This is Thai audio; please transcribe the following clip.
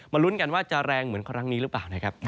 ลุ้นกันว่าจะแรงเหมือนครั้งนี้หรือเปล่านะครับ